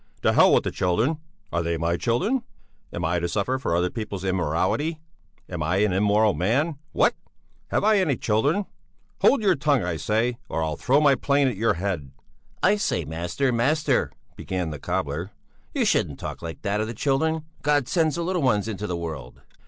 "To hell with the children! Are they my children? Am I to suffer for other people's immorality? Am I an immoral man? What? Have I any children? Hold your tongue, I say, or I'll throw my plane at your head." "I say, master, master!" began the cobbler; "you shouldn't talk like that of the children; God sends the little ones into the world."